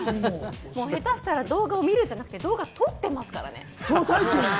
下手したら動画を見るじゃなくて、撮ってますからね。